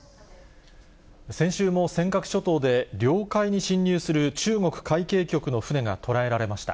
先週も尖閣諸島で、領海に侵入する中国海警局の船が捉えられました。